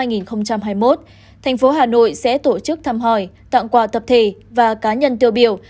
năm hai nghìn hai mươi một thành phố hà nội sẽ tổ chức thăm hỏi tặng quà tập thể và cá nhân tiêu biểu